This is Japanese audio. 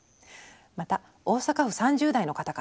また大阪府３０代の方から。